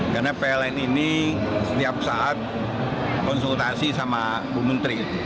karena pln ini setiap saat konsultasi sama bumn